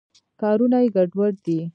کارونه یې ګډوډ دي.